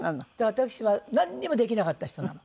私はなんにもできなかった人なの。